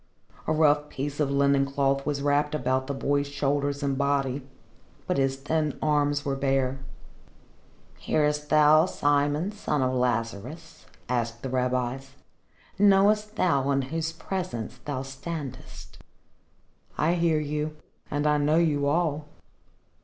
A rough piece of linen cloth was wrapped about the boy's shoulders and body, but his thin arms were bare. "Hearest thou, Simon, son of Lazarus?" asked the rabbis. "Knowest thou in whose presence thou standest?" "I hear you and I know you all."